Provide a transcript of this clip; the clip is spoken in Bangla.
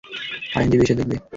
আইনজীবী এসব দেখবে।